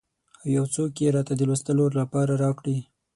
او یو څوک یې راته د لوستلو لپاره راکړي.